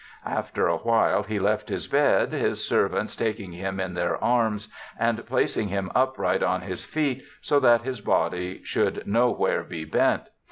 After a while he left his bed, his servants taking him in their arms and placing him upright on his feet, so that his body should nowhere be bent.